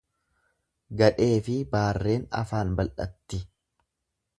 Gadheefi baarreen afaan bal'atti.